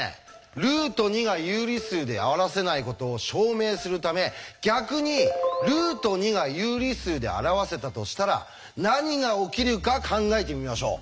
ルート２が有理数で表せないことを証明するため逆にルート２が有理数で表せたとしたら何が起きるか考えてみましょう。